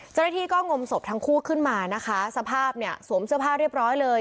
เจ้าหน้าที่ก็งมศพทั้งคู่ขึ้นมานะคะสภาพเนี่ยสวมเสื้อผ้าเรียบร้อยเลย